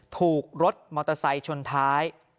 ถูกรถมอเตอร์ไซค์ชนท้าย